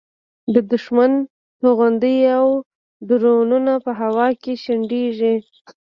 د دوښمن توغندي او ډرونونه په هوا کې شنډېږي.